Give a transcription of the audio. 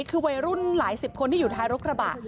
คือวัยรุ่นหลายสิบคนที่อยู่ท้ายรถกระบะ